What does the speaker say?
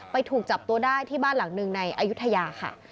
ถูกจับตัวได้ที่บ้านหลังหนึ่งในอายุทยาค่ะ